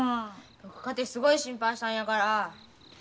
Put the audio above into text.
僕かてすごい心配したんやから。